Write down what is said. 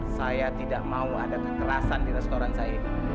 saya tidak mau ada kekerasan di restoran saya ini